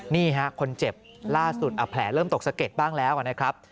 นี่ฮะคนเจ็บล่าสุดแผลเริ่มตกสะเก็ดบ้างแล้วนะครับ